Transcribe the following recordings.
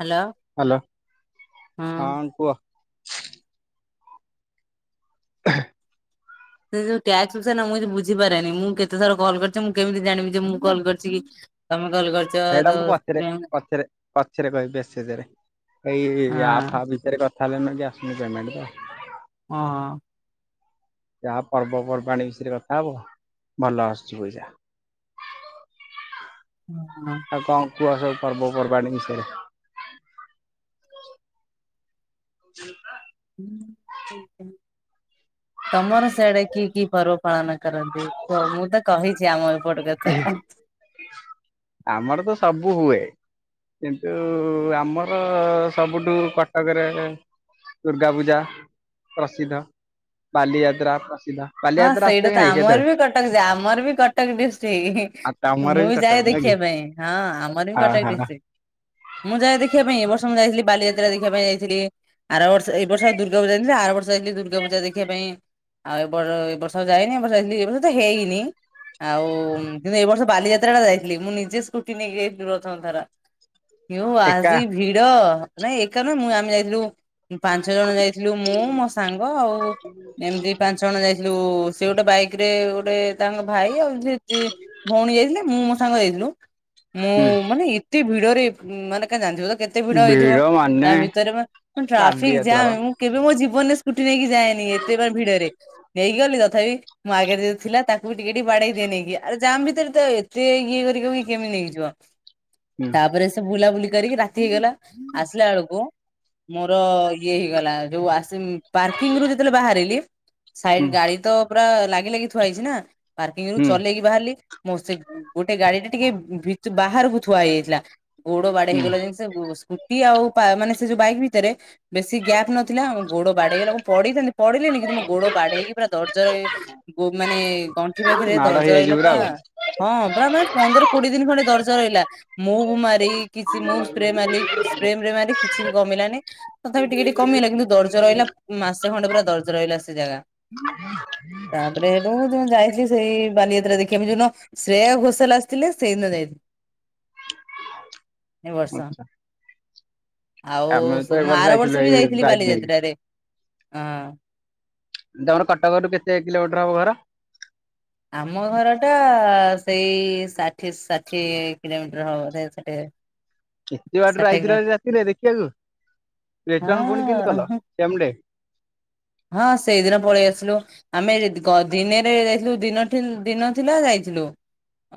Hello. Hello. ହଁ କୁହ। [unintelligible] ସେ ଯୋଉ ଟାସ୍କ ବିଷୟ ରେ ମୁଁ କିଛି ବୁଝିପାରେନି। ମୁଁ କେତେଥର କଲ କରିଚି ମୁଁ କେମିତି ଜାଣିମି ଜେ ମୁଁ କଲ୍ କରିଚି କି ତମେ କଲ୍ କରି ଏଇଟା ମୁଁ ପଛରେ ପଛରେ ପଛରେ କହିବି ମେସେଜ ରେ। ଏଇ ଆପ ଫାପ୍ ଭିତରେ କ ଥା ହେଲେ ଏନା ଆସୁନି ପେମେଣ୍ଟ ତ। ହଁ। ଯାହା ପର୍ବପର୍ବାଣି ବିଷୟରେ କଥା ହବ ଭଲ ଆସୁଚି ପଇସା। ଓହଁ। କଣ କୁହ ସବୁ ପର୍ବପର୍ବାଣି ବିଷୟରେ? [unintelligible] ତମର ସିଆଡେ କି କି ପର୍ବ ପାଳନ କରନ୍ତି କୁହ? ମୁଁ ତ କହିଚି ଆମ ଏପଟ କଥା। ଆମର ତ ସବୁ ହୁଏ। କିନ୍ତୁ ଆମର ସବୁଠୁ କଟକ ରେ ଦୁର୍ଗା ପୂଜା ପ୍ରସିଦ୍ଧ, ବାଲିଯାତ୍ରା ପ୍ରସିଦ୍ଧ ହଁ ବାଲିଯାତ୍ରା ଆସୁଛ ସେଇଟା କି ତ ନାଇଁ କେତେବେଳେ? ଆମର ବି କଟକ୍ ଯେ, ଆମର୍ ବି କଟକ୍ ଡିଷ୍ଟ୍ ଇହିଁ। ଆଉ ତମର ମୁଁ ବି କଟକ ଯାଏ ନୁହେଁ କି? ଦେଖିବା ପାଇଁ, ହଁ ଆମର ବି ଅ କଟକ୍ ହ ଡିଷ୍ଟ୍ରିକ୍ଟ। ମୁଁ ଯାଏ ଦେଖିବା ପାଇଁ, ଏ ବର୍ଷ ମୁ ଯାଇଥିଲି ବାଲିଯାତ୍ରା ଦେଖିବା ପାଇଁ ଯାଇଥିଲି। ଆର ବର୍ଷ ଏଇ ବର୍ଷ ଆଉ ଦୁର୍ଗା ପୂଜା [unintelligible] ଆର ବର୍ଷ ଯାଇଥିଲି ଦୁର୍ଗା ପଜା ଦେଖିବା ପାଇଁ, ଆଉ ଏ ବର୍ଷ ଆଉ ଯାଇନି, ଏ ବର୍ଷ ଯାଇଥିଲି ଏ ବର୍ଷ ତ ହେଇନି। ଆଉ କିନ୍ତୁ ଏଇ ବର୍ଷ ବାଲିଯାତ୍ରା ଟା ଯାଇଥିଲି, ମୁଁ ନିଜେ ସ୍କୁଟି ନେଇକି ଯାଇଥିଲି ପ୍ରଥମ ଥର। [unintelligible] ଏକା ଆଜି ଭିଡ ନାଇଁ ଏକା ନୁହେଁ ମୁଁ ଆମେ ଯାଇଥିଲୁ ପାଞ୍ଚ ଜଣ ଯାଇଥିଲୁ, ମୁଁ ମୋ ସାଙ୍ଗ ଆଉ ଏମ୍ତି ପାଞ୍ଚ ଯାଇଥିଲୁ ସେ ଗୋଟେ ବାଇକ୍ ରେ ଗୋଟେ ତାଙ୍କ ଭାଇ ଆଉ ସେ [unintelligible] ଭଉଣୀ ଯାଇଥିଲେ ମୁଁ ମୋ ସାଙ୍ଗ ଯାଇଥିଲୁ, ମୁଁ ହୁଁ ମାନେ ଏ [unintelligible] ଭିଡରେ ମାନେ କା ଜାଣିଥିବ ତ କେତେ କେତେ ଭିଡ ହେଇଥିବ, ତା ଭିତରେ ବା ଟ୍ରାଫିକ ବାଲିଯାତ୍ରା ବା ଜାମେ। କେବେ ମୋ ଜୀବନରେ ସ୍କୁଟି ନେଇକି ଯାଏନି ଏତେ [unintelligible] ଭିଡରେ ନେଇକ ଗଲି ତଥାପି ମୋ ଆଗେରେ ଯିଏ ଥିଲା ତାକୁ ବି ଟିକେ ଟିକେ ବାଡେଇ ଦିଏ ନେଇକି, ଆ ଜାମ୍ ଭିତରେ ତ ଏତେ ଇଏ କରିକି କେମିତି ନେଇଯିବ। ହୁଁ। ତାପରେ ବୁଲାବୁଲି କରିକି ରାତି ହେଇଗଲା ଆସିଲା ବେଳୁକୁ ମୋର ଇଏ ହେଇଗଲା ଯୋଉ ଆସ୍ ସେ ପାର୍କିଂ ରୁ ଯେତେବେଳେ ବାହାରିଲି ହୁଁ ସାଇଡ୍ ଗାଡି ତ ପୁରା ଲାଗି-ଲାଗି ଥୁଆ ହେଇଚି ନା, ପାର୍କିଂ ରୁ ହୁଁ ଚଲେଇକି ବାହାରିଲି। ମୋ ସେ ଗୋଟେ ଗାଡି ଟା ଟିକେ ଭିତ୍ ବାହାରକୁ ଥୁଆ ହେଇଯାଇଥିଲା, ଗୋଡ ବାଡେଇ ହେଇଗଲା [unintelligible] ସେ ସ୍କୁଟି ଆଉ ପା ମାନେ ସେ ଯୋଉ ବାଇକ୍ ଭିତେରେ ବେଶୀ ଗ୍ୟାପ୍ ନଥିଲା, ଆ ଗୋଡ ବାଡେଇଗଲା ମୁଁ ପଡ଼ିଥାନ୍ତି ପଡିଲିନି କିନ୍ତୁ ମୋ ଗୋଡ ବାଡେଇ ହେଇକି ପୁରା ଦର୍ଜ ଗୋ ମାନେ ଗଣ୍ଠି ହୁଁ ପାଖେରେ ମାଡ଼ ଦର୍ଜ ହେଇଯାଇଛି ରହିଲା ପୁରା। ଆଉ। ହଁ ପୁରା ମାନେ ପନ୍ଦର କୋଡିଏ ଦିନ ଖଣ୍ଡେ ଦରଜ ରହିଲା ମୁଭ୍ ମାରି କିଛି ମୁଭ୍ ସ୍ପ୍ରେ ମାରିଲି। ସ୍ପ୍ରେ ମ୍ରେ ମାରି କିଛି ବି କମିଲାନି। ତଥାପି ଟିକେ-ଟିକେ କମିଗଲା କିନ୍ତୁ ଦର୍ଜ ରହିଲା ମାସେ ଖଣ୍ଡେ ପୁରା ଦର୍ଜ ରହିଲା ସେ ଜାଗା। ହୁଁ ତାପରେ ହେଠୁ ଯୋଉନ ଯାଇଥିଲି ସେଇ ବାଲିଯାତ୍ରା ଦେଖିବା ପାଇଁ, ଯାଉନ ଶ୍ରେୟା ଘୋଷାଲ୍ ଆସିଥିଲେ ସେଇନ ଯାଇଥିଲି। ଏ ବର୍ଷ। ଆଚ୍ଛା ଆଉ ଆମେ ତ ଏ ମୁଁ ଆର ଯାଇଥିଲୁ ବର୍ଷ ବି ଏଇ ଯାଇଥିଲି ବାଇକ୍ ନେଇକି। ବାଲିଯାତ୍ରାରେ ହଁ। ତମର କଟକ ରୁ କେତେ କିଲୋମିଟର ହବ ଘର? ଆମ ଘରଟା ସେଇ ଷାଠିଏ-ଷାଠିଏ କିଲୋମିଟର ହବ ସେ ଷାଠିଏ- ଏତେ ବାଟରୁ ଷାଠିଏ ଆଇଥିଲ କିଲୋମିଟର ରାତିରେ ଦେଖିବାକୁ, ରିଟର୍ନ ପୁଣି କେନ୍ତୀ କଲ ହଁ ସେମ୍ ଡେ? ହଁ ସେଇଦିନ ପଳେଇ ଆସିଲୁ। ଆମେ ଗ ଦିନେରେ ଯାଇଥିଲୁ ଦିନ-ଦିନ ଥିଲା ଯାଇଥିଲୁ।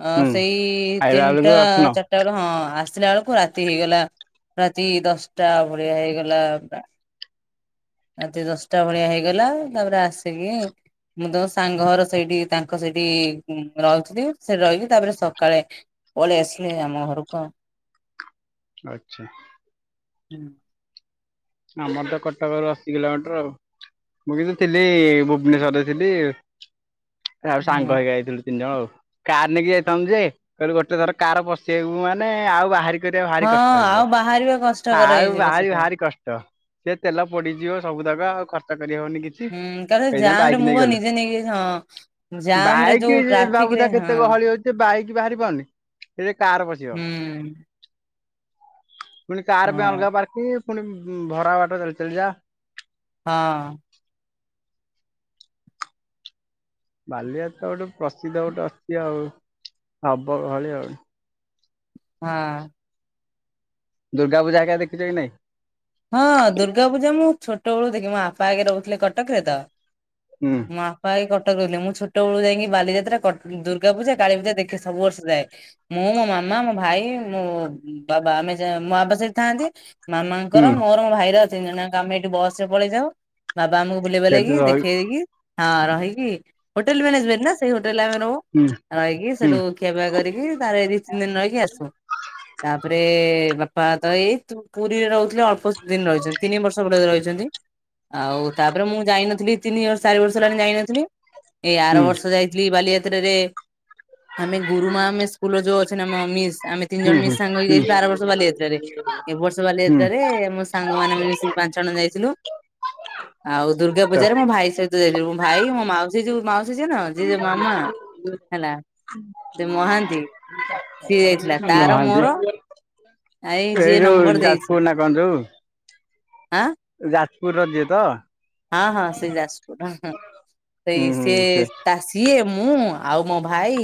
ଅ ହୁଁ ସେଇ ଆଇଲା ତିନିଟା ବେଳକୁ ଅଟନ ଚାରିଟା ବେଳ ହଁ ଆସିଲା ବେଳକୁ ରାତି ହେଇଗଲା। ରାତି ଦଶଟା ଭଳିଆ ହେଇଗଲା, ରାତି ଦଶ୍ ଟା ଭଳିଆ ହେଇଗଲା ତାପରେ ଆସିକି ମୁଁ ତମ ସାଙ୍ଗ ଘର ସେଇଟି ତାଙ୍କ ସେଇଟି ରହୁଥିଲି, ସେଠି ରହିଲି ତାପରେ ସକାଳେ ପଳେଇ ଆସିଲି ଆମ ଘରୁକୁ ଆଉ। ଆଚ୍ଛା। ହୁଁ। ଆମର ତ କଟକ ରୁ ଅଶୀ କିଲୋମିଟର ଆଉ। ମୁଁ କିନ୍ତୁ ଥିଲି ଭୁବନେଶ୍ଵରରେ ଥିଲି, ଆଉ ସାଙ୍ଗ ହେଇକି ଯାଇଥିଲୁ ତିନି ଜଣ ଆଉ କାର୍ ନେଇକି ଯାଇଥାନ୍ତୁ ଯେ, କହିଲେ ଗୋଟେ ଥର କାର ପସେଇବୁ ମାନେ ଆଉ ବାହାରି କରିବା ଭାରି ହଁ କଷ୍ଟ ହେଇଯିବ। ଆଉ ବାହାରିବା କଷ୍ଟକର ଆଉ ହେଇଯିବ ବାହାରି ସେଠୁ। ଭାରି କଷ୍ଟ ସେ ତେଲ ପଡିଯିବ ସବୁ ଜାଗା ଆଉ ଖର୍ଚ୍ଚ କରିହବନି କି? ହୁଁ କାରଣ ଏଇଯା ଜାମ ରେ ବାଇକ୍ ମୁଁ ନେଇ ବା ଗଲେ ନିଜେ ନେଇକି ହଁ ଜାମ ରେ ଯୋଉ ବାଇକ ଟ୍ରାଫିକ ଭାବୁ ରେ ତା ହଁ କେତେ ଗହଳି ଅଛି। ସେ ବାଇକ ବାହାରି ପାରୁନି ସେ କାର ପଶିବ। ହୁଁ ପୁଣି ହଁ କାର ପାଇଁ ଅଲଗା ପାର୍କିଂ ପୁଣି ଭରା ବାଟ ଚାଲି ଚାଲିଯା। ହଁ। ବାଲିଯାତ୍ର ଗୋଟେ ପ୍ରସିଦ୍ଧ ଗୋଟେ ଅଛି ଆଉ, ହବ ଭଳି ଆଉ। ହଁ। ଦୁର୍ଗା ପୁଜା ଆଞା ଦେଖଛ କି ନାଇଁ? ହଁ ଦୁର୍ଗା ପୂଜା ମୁଁ ଛୋଟ ବେଳୁ ଦେଖି ମୋ ବାପା ଆଗେ ରହୁଥିଲେ କଟକରେ ତ। ହୁଁ। ମୋ ବାପା କଟକ ରହେ ମୁଁ ଛୋଟ ବେଳୁ ଯାଇକି ବାଲିଯ୍ରା ଦୁର୍ଗା ପଜାଳୀୂଜା ଦେଖେ ସବୁ ବର୍ଷ ଯାଏ। ମୁଁ ମୋ ମାମା ମୋ ଭାଇ ମୋ ବାବା ଆମେ ମୋ ବାବା ସେଠି ଥାନ୍ତି, ମାମା ଙ୍କର ହୁଁ ମୋର ମୋ ଭାଇର ଅଛି ଜଣ ଆମେ ଏଠି ବସ ରେ ପଳେଇ ଯାଉ। ବାବା ଆମକୁ ବୁଲ ସେଠି ବଲେଇକି ରହି ଦେଖେଇ ଦେଇକି। ହଁ ରହିକି ହୋଟେଲ ମ୍ୟାନେଜମେଣ୍ଟ ନା ସେଇ ହୋଟେଲ ଆମେ ର ହୁଁ ରହିକି ହୁଁ ସେଠୁ କେବେ କରିକି ତାର ଏ ଦି ତିନି ଦିନ ରହିକି ଆସୁ। ତାପରେ ବାପା ତ ଏଇ ତୁ ପୁରୀରେ ରହୁଛୁ। ଅଳ୍ପ ଦିନ ରହିଛନ୍ତି ତିନି ବର୍ଷ ବଳେ ରହିଛନ୍ତି। ଆଉ ତାପରେ ମୁଁ ଯାଇନଥିଲି, ତିନି ଚାରି ବର୍ଷ ହେଲାଣି ଯାଇନଥିଲି। ଏଇ ଆର ହୁଁ। ବର୍ଷ ଯାଇଥିଲି। ବାଲିଯାତ୍ରରେ ଆମେ ଗୁରୁ ମା ଆମେ ସ୍କୁଲ ଯ ଅ ଆମ ମିସ୍ ଆମେ ତିନି ଜଣ ହୁଁ ହୁଁ ମିସ୍ ସାଙ୍ଗ ହୁଁ ହେଇଯାଇେ ବାର ବର୍ଷ ବାଲିଯାତ୍ରରେ ଏ ବର୍ଷ ବାଲିଯ ହୁଁ। ମୋ ସାଙ୍ଗ ମାନ ମିଶିକି ପାଞ୍ଚ ଜଣ ଯାଇଥିଲୁ ଆଉ ଦୁର୍ଗା ପୂଜାରେ ମୋ ଭାଇ ସହିତ। ମୁଁ ଭାଇ ମୋ ମାଉସୀ ଯୋଉ ମାଉସୀ ଯି ନା। ଯି ଯୋ ମାମା ହେଲା ସେ ମହାନ୍ତି ସିଏ ଯାଇଥିଲା ତାର ମହାନ୍ତି ମୋର ଏଇ ଯିଏ ନମ୍ବର ଦେଇଛି। [inaudible] ଆଁ ଯାଜପୁର ର ଯିଏ ତ ହଁ ହଁ ସେ ଯାସ ସେଇ ହୁଁ ସେ ହୁଁ ତା ସିଏ ମୁଁ ଆଉ ମୋ ଭାଇ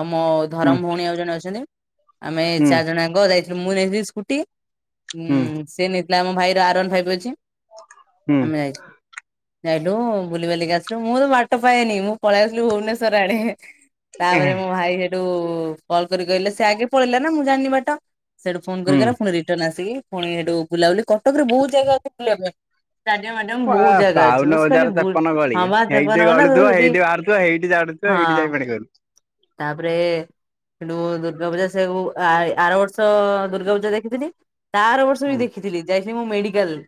ଆଉ ମୋ ହୁଁ ଧରମ ଭଉଣୀ ଆଉ ଜଣେ ଅଛନ୍ତି। ଆମେ ହୁଁ ଚାରି ଜଣଙ୍କ ଯାଇଥିଲୁ ମୁଁ ନେଇଥିଲି ସ୍କୁଟି ଉ ହୁଁ ସିଏ ନେଇଥିଲେ ଆମ ଭାଇର ଆରୱାନ ଭାଇପ ଅଛି ହୁଁ ଆମେ ଯାଇଛ। ହେଇଠୁ ବୁଲି ବଲିକି ଆସିଲୁ। ମୁଁ ତ ବାଟ ପାଏନି ମୁଁ ପଳେଇ ଆସିଲି ଭୁବନେଶର ଆଡେ। ତାପରେ ମୋ ଭାଇ ସେଠୁ କଲ୍ କରି କହିଲେ ସେ ଆଗେ ପଳେଇଲା ନା ମୁଁ ଜାଣିବା ଟ ସେଇଠୁ ଫୋନ କରି ହୁଁ। କଲା ପୁଣି ରିଟର୍ନ ଆସିକି ପୁଣି ସେଠୁ ବୁଲାବୁଲି କଟକରେ ବହୁତ ଜାଗା ଅଛି ବୁଲିବା ପାଇଁ। [unintelligible] ବହୁତ ଆ ଜାଗା ଅଛି ପାଉନ ବ ବଜାର ଖାଲି ତେପନ ଗଳି ହେପ ହେଇଠି ହ ନା ତ ଗଳୁଥିବ ସେଠି ହେଇଠି ବାହାରୁଥିବ ହେଇଠି ଜାଡୁଥିବ ହଁ। ହେଇଠି ଯାଇ ପାଣି କରୁ। ତାପରେ ସେଠୁ ଦୁର୍ଗା ପୂଜା ସବୁ ଆର ବର୍ଷ ଦୁର୍ଗା ପୂଜା ଦେଖିଥିଲି, ତା ଆର ବର୍ଷ ହୁଁ ବି ଦେଖିଥିଲି ଯାଇଥିଲି ମୁଁ ମେଡିକାଲ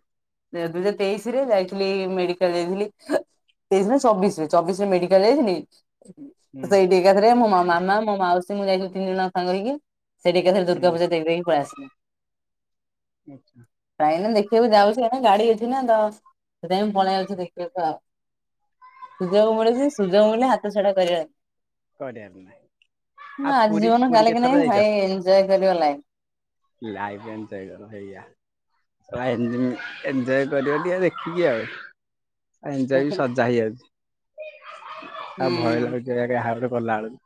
ଦୁଇ ହଜାର ତେଇଶ ରେ ଯାଇଥିଲି ମେଡିକାଲ ଯାଇଥିଲି। ତେଇଶ ନା ଚବିଶ ରେ ଚବିଶ ରେ ମେଡିକାଲ ଯାଇଥିଲି। ହୁଁ ସେଇଠି ଏକାଥରେ ମୋ ମାମା ମୋ ମାଉସୀ ମୁଁ ଯାଇଥିଲି ତିନି ଜଣଙ୍କ ସାଙ୍ଗ ହେଇକି। ସେଠିକାଥରେ ଦୁର୍ଗା ହୁଁ ପୁଜା ଦେଖ ହି ପଳେଇ ଆସିଲେ। [inaudible] କାଇଁ ନା ଦେଖିବାକୁ ଯାଉଛି କ ନା ଗାଡି ଅଛି ନା ତ ସେଥିାଇଁ ପଳେଇ ଯାଉଛି ଦେଖିବାକୁ ଆଉ। ସୁଯୋଗ ମୂଳ ଯେ ସୁଯୋଗ ମୂଳେ ହାତ ଛଡା କରି କରିଆାର ନାହିଁ। ହଁ ଆଉ ଆଜି ପୁରୀ ଜୀବନ ପୁରୀ କାଲି କି କେତେଥର ନାଇଁ ଯାଇଛ? ଭାଇ ଏଞ୍ଜୟ କରିବ ଲାଇଫ। ଲାଇଫନ୍ ଏଞ୍ଜୟ୍ କର। ଏଞ୍ଜୟ କରିବ ଟିକେ ଦେଖିକି ଆଉ। ଆ ଏଜୟ ବି ସଜା ହେଇଯାଉଛି ଆଉ ଭୟ ହୁଁ ଲାଗୁଛି ଏରା କାଇଁ ହାରରେ ଗଲାଏଳକୁ।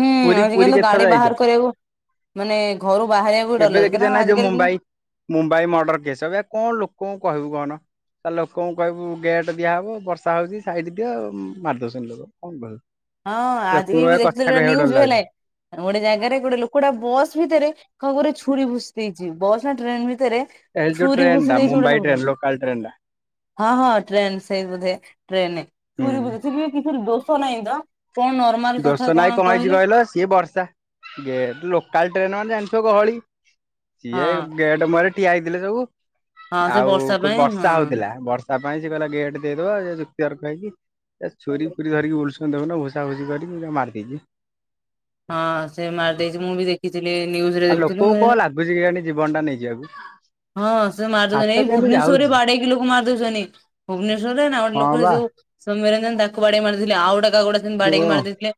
ହୁଁ ଆଜିକାଲି ତ ଗାଡ଼ି ବାହାର କରିବାକୁ ମାନେ ଘରୁ ବାହାରିବାକୁ ବି ଡର ଏବେ ଲାଗୁଛି ଦେଖିଛ ନା କାରଣ ଯୋଉ ଆଜିକାଲି ଦିନେ ମୁମ୍ବାଇ ମୁମ୍ବାଇ ମର୍ଡର କେସ୍ ଅବିକା କଣ ଲୋକଙ୍କୁ କହିବୁ କହୁନ? ତ ଲୋକଙ୍କୁ କହିବୁ ଗେଟ୍ ଦିଆହବ ବର୍ଷା ହଉଛି ସାଇଟ ଦିଅ ମାରିଦଉସନ୍ତି ଲୋକ କଣ କହିବୁ। ହଁ ଆଜି ଲୋକଙ୍କୁ ବି ବା ବି କଥା ଦେଖୁଥିଲି ଗୋଟେ କହିବାକୁ ଡର ନ୍ୟୁଜ ହେଲେ ଲାଗୁଛି ଗୋଟେ ଜାଗାରେ ଗୋଟେ ଲୋକଟା ବସ୍ ଭିତରେ ଖ ଘରେ ଛୁରୀ ଭୁସି ଦେଇଛି ବସ୍ ନା ଟ୍ରେନ ଭିତରେ ଏଟା ହେଜଉ ଛୁରୀ ଭୁସି ଟ୍ରେନଟା ଦେଇଛି ଗୋଟେ ମୁବାଇ ଲୋକଟା। ଟ୍ରେନ ଲୋକାଲ ଟ୍ରେନଟା। ହଁ ହଁ ଟ୍ରେନ ସେଇ ବୋଧେ ହୁଁ ଟ୍ରେନଛୁରୀ ଭୁସିଚି କିଛି ଦୋଷ ନାହିଁ ତ। କଣ ନ ଦୋଷ ନାଇଁ କଣ ହେଇଛି କହିଲ ସିଏ ବର୍ଷା ଗେ ଲୋକାଲ ଟ୍ରେନ ମାନେ ଜାଣିଥିବ ଗହଳି ସିଏ ହଁ ଗେଟ ମୁହଁରେ ଠିଆ ହେଇଥିଲେ ସବୁ ହଁ ସେ ଆଉ ବର୍ଷା କ ପାଇଁ ବର୍ଷା ହଉଥିଲା ବର୍ ତା ପାଇଁ ସେ କହିଲା ଗେଟ ଦେଇଦବା ଯୁକ୍ତି ତର୍କ ହେଇକିଏ ଛୁରୀ ହଁ। ଫୁରୀ ଧରିକି ବୁଲୁସୁନ୍ତି ଦେଖୁନ ଭୁସା ଭୁସି କରି କିନ୍ତି ମାରଦେଇଚି। ହଁ ସେ ମାରିଦେଇଛି ମୁଁ ବି ଦେଖ ଦେଖିଥିଲି ନ୍ୟୁଜରେ ଆଉ ଦେଖୁଥିଲି ମୁଁ ଲୋକଙ୍କୁ କଣ କହିଲି ଲାଗୁଛି କେଜାଣି ଜୀବନ ଟା ନେଇଯିବାକୁ ହଁ ସେ ମାରିଉଛନ୍ତି ହାତ ଏଇ କେମିତି ଭୁବନେଶ୍ୱରରେ ଯାଉଛି। ବାଡେଇକି ଲୋକ ମାର ଦଉସନି ଭୁବନେଶ୍ରରେ ନା ଗୋଟେ ହଁ ଲୋକଟେ ବା ଯଉ ସୋମ୍ୟରଞ୍ଜନ ତାକୁ ବାଡେଇ ମାରିଦେଇଥିଲେ ଆଉ ଗୋଟା କାହାକୁ ଗୋଟେ ସେମିତି ଓ ବାଡେଇକି ମାରି ଦେଇଥିଲେ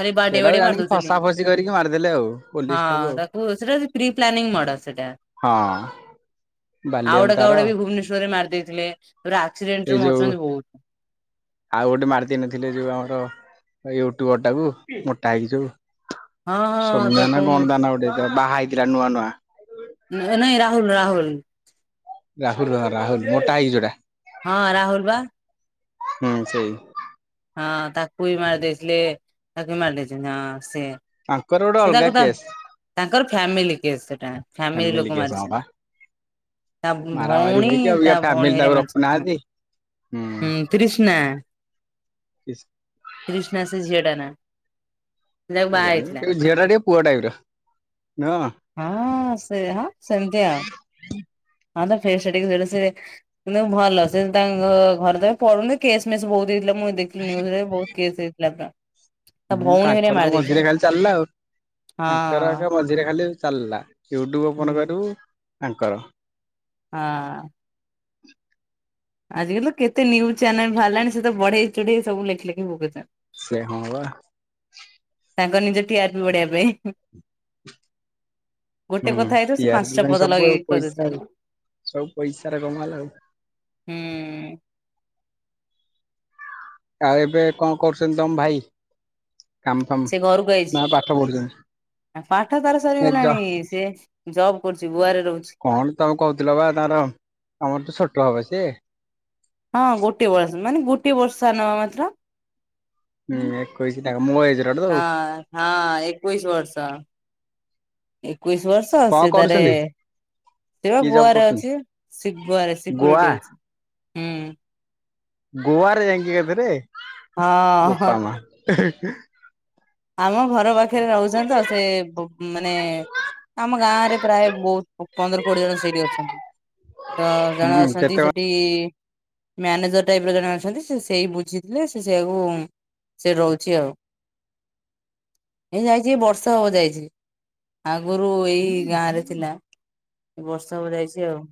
ଖାଲି ବାଡେଇ ସେଇଟାକୁ ବାଡେଇ ଜାଣିକି ମାରିଦଉ ଫସା ଫସି କରିକି ମାରିଦେଲେ ଆଉ ପୋଲିସ ଟାକୁ ହଁ ଆଉ। ତାକୁ ସେଟା ପ୍ରି ପ୍ଲାନିଂ ମର୍ଡର ସେଟା। ହଁ ଆଉ ଗୋଟେ କାହାକୁ ବାଲିଅନ୍ତାର। ଗୋଟେ ବି ଭୁବନେଶ୍ୱରରେ ମାରି ଦେଇଥିଲେତାରେ ଆକ୍ସିଡେଣ୍ଟ ଏଇ ରେ ଯୋଉ ମରୁଛନ୍ତି ବହୁତ। ଆଉ ଗୋଟେ ମାରିଦେଇନଥିଲେ ଯୋଉ ଆମର ୟୁଟୁବର ଟାକୁ ମୋଟା ହେଇକି ଯୋଉ ହଁ ହଁ ସୋମ୍ୟା ତାକୁ ନା କଣ ତାନାଁ ଗୋଟେ ବାହା ହେଇଥିଲା ନୂଆ ନୂଆ ନାଇଁ ରାହୁଲ ରାହୁଲ। ରାହୁଲ ହ ରାହୁଲ ମୋଟା ହେଇକି ଯଉଟା। ହଁ ରାହୁଲ ବା। ହୁଁ ସେଇ। ହଁ ତାକୁ ବି ମାରି ଦେଇଥିଲେ ତାକୁ ବି ମାରି ଦେଇଛନ୍ତି ହଁ ସିଏ। ତାଙ୍କର ଗୋଟେ ଅଲଗା କେସ୍। ତାଙ୍କର ଫ୍ୟାମିଲି କେଶ ସେଟା ଫ୍ୟାମିଲି ଲୋକ କେସ୍ ହଁ ମାରିଛନ୍ତି। ବା ତା ମାରାମାରି ଭଉଣୀ ହେଇକି ତା ଅବିକା ଭଉଣୀ ଫ୍ୟାମିଲି ତାକୁ ହରିକା ମାରିଛନ୍ତି ହଁ। ରଖୁନାହାନ୍ତି। ହୁଁ ତ୍ରିଷ୍ନା। କି ତ୍ରିଷ୍ନା ସେ ଝିଅଟା ନା। ଯାହାକୁ ବାହା କେଜାଣି ହେଇଥିଲା। କହିଲି ଝିଅଟା ଟିକେ ପୁଅ ଟାଇପର ନୁହଁ? ହଁ ସେ ହଁ ସେମିତିଆ ହଁ ତା ଫେସଟା ଟିକେ ସେଟା ସେ କିନ୍ତୁ ଭଲ ସେ ତାଙ୍କ ଘରେ ତ ପଢୁନି କେସ୍ ମେସ୍ ବହୁତ ହେଇଥିଲା ମୁଁ ଦେଖିଲି ନ୍ୟୁଜରେ ବହୁତ କେସ ହେଇଥିଲା ପୁରା। ତା ହୁଁ ଭଉଣୀ ହେରିକା କାଙ୍କର ମାରି ତ ମଝିରେ ଦେଇଛନ୍ତି ଖାଲି ଚାଲିଲା ଆଉ ହଁ ତାଙ୍କରଏକା ମଝି ମଝିରେ ଖାଲି ଚାଲିଲା ୟୁଟ୍ୟୁବ ହୁଁ। ଓପନ କରିବୁ ତାଙ୍କର ହଁ। ଆଜିକାଲି ତ କେତେ ନ୍ୟୁଜ ଚ୍ୟାନେଲ ବାହାରିଲାଣି ସେ ତ ବଢେଇ ଚୁଢେଇ ସବୁ ଲେଖି ଲେଖି ଭୁକ ଛ ସେ ହଁ ବା। ତାଙ୍କର ନିଜ ଟିଆରପି ବଢେଇବା ପାଇଁ। ଗୋଟେ ହୁଁ କଥା ହେଇଥିବ ଟି ସେ ଆର ପି ପାଞ୍ଚଟା ପାଇଁ ପଦ ସବୁ ଆଉ ଲଗେଇକି ପଇସା ଆଉ। କହିଦଉଛନ୍ତି। ସବୁ ପଇସାରେ କମାଲ ଆଉ ହୁଁ। ଆଉ ଏବେ କଣ କରୁସନ୍ତି ତମ ଭାଇ? କାମ ଫାମ? ସେ ଘରକୁ ଆଇଛି ନା ପାଠ ପଢୁସନ୍ତି? ପାଠ ତାର ସରିଗଲାଣି ସେ ଜବ୍ କରୁଛି ଗୁଆରେ ରହୁଛି। କଣ ତମେ କହୁଥିଲ ବା ତାର ତମଠୁ ଛୋଟ ହବ ସିଏ। ହଁ ଗୋଟେ ବର୍ଷ ମାନେ ଗୋଟେ ବର୍ଷ ସାନ ପା ମାତ୍ର। ମୁଁ ଏକୋଇସି ତାର ମୋ ଏଜେ। ହଁ ହଁ ଏକୋଇଶ ବର୍ଷ ଏକୋଇଶ ବର୍ଷ ବର୍ଷ କଣ ସେତାରେ କରୁଛନ୍ତି? ସେ ବା କି ଜବ୍ ଗୁଆରେ କରୁଛନ୍ତି ଅଛି ସେଗୁଆରେ ଗୋଆ ସିକୁରିଟି ଅଛି ହୁଁ। ଗୋଆରେ ଯାଇକି ଏବେରେ ହଁ ହଁ ବୋପା ମା ହେ। ଆମ ଘର ପାଖରେ ରହୁଛନ୍ତି ତ ସେ ମାନେ ଆମ ଗାଁ ରେ ପ୍ରାୟ ବହୁତ ପନ୍ଦର କୋଡିଏ ଜଣ ସେଇଠି ଅଛନ୍ତି। ତ ଜଣେ ହୁଁ ଅଛନ୍ତି କେତେ ସେଠି ମ୍ୟାନେଜର ଟାଇପର ଜଣେ ଅଛନ୍ତି ସେ ସେଇ ବୁଝିଥିଲେ ସେ ସେଇଆକୁ ସେଠି ରହୁଛି ଆଉ। ଏ ଯାଇଛି ଏ ବର୍ଷେ ହବ ଯାଇଛି ଆଗରୁ ଏଇ ଗାଁରେ ଥିଲା। ବର୍ଷେ ହବ ଯାଇଛି ଆଉ।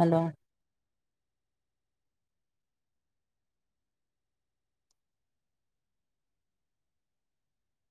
ହ୍ୟାଲୋ।